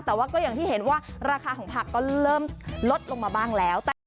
แต่ว่าก็อย่างที่เห็นว่าราคาของผักก็เริ่มลดลงมาบ้างแล้ว